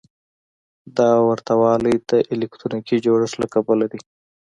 دا ورته والی د الکتروني جوړښت له کبله دی.